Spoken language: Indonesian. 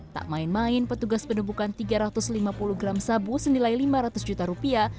tak main main petugas menemukan tiga ratus lima puluh gram sabu senilai lima ratus juta rupiah